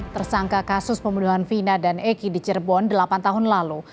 tersangka kasus pembunuhan vina dan eki di cirebon delapan tahun lalu